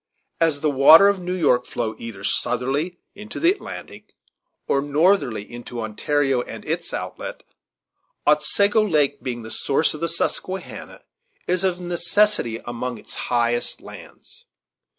As the waters of New York flow either southerly into the Atlantic or northerly into Ontario and its outlet, Otsego Lake, being the source of the Susquehanna, is of necessity among its highest lands.